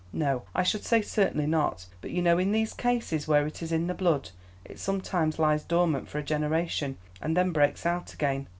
"No, I should say certainly not; but you know in these cases where it is in the blood it sometimes lies dormant for a generation and then breaks out again.